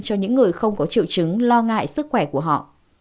cho những người không có triệu chứng lo ngại sức khỏe của họ